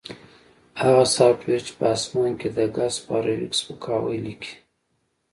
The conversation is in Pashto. هغه سافټویر چې په اسمان کې د ګس فارویک سپکاوی لیکي